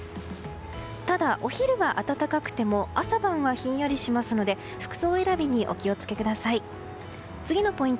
ただ、お昼は暖かくても朝晩はひんやりしますので服装選びにお気を付けください。